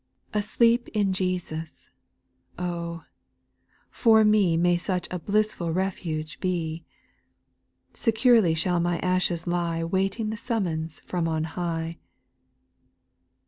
4. Asleep in Jesus ! Oh, for me May such a blissful refuge be I Securely shall my ashes lie Waiting the summons from on high.